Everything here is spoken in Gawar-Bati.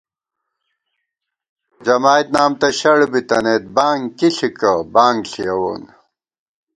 جمائد نام تہ شڑ بِتَنَئیت بانگ کی ݪِکہ، بانگ ݪیَوون